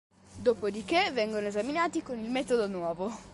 Dopodiché vengono esaminati con il metodo nuovo.